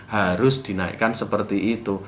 harus dinaikkan seperti itu